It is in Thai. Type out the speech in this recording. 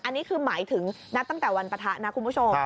อันนี้คือหมายถึงนัดตั้งแต่วันปะทะนะคุณผู้ชม